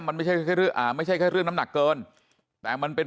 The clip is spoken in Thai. มันไม่ใช่แค่เรื่องอ่าไม่ใช่แค่เรื่องน้ำหนักเกินแต่มันเป็น